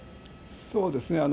そうですね。